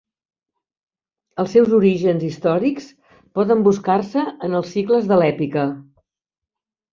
Els seus orígens històrics poden buscar-se en els cicles de l'èpica.